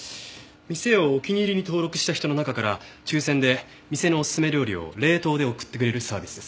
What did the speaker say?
店をお気に入りに登録した人の中から抽選で店のおすすめ料理を冷凍で送ってくれるサービスです。